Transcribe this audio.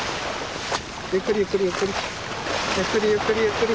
ゆっくりゆっくりゆっくり。